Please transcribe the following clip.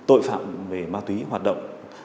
cho tội phạm về mặt túy hoạt động